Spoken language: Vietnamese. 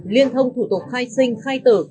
liên thông thủ tục khai sinh khai tử